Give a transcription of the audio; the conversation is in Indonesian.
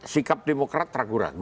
sikap demokrat tergantung